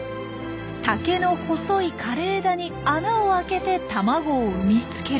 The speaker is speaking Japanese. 竹の細い枯れ枝に穴を開けて卵を産み付ける。